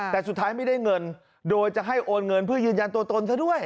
แต่สุดท้ายไม่ได้เงินโดยจะให้โอนเงินเพื่อยืนยันตัวตนซะด้วย